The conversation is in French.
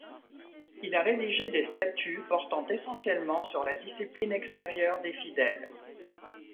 Il a rédigé des statuts portant essentiellement sur la discipline extérieure des fidèles.